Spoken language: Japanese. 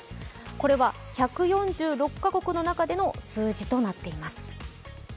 これは１４６か国の中での数字となっています。